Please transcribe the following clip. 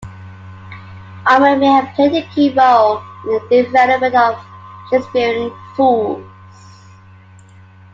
Armin may have played a key role in the development of Shakespearian fools.